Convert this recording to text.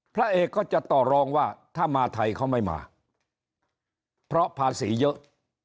พระเอกก็จะต่อรองว่าถ้ามาไทยเขาไม่มาเพราะภาษีเยอะ